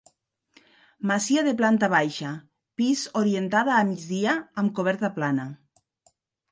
Masia de planta baixa, pis orientada a migdia amb coberta plana.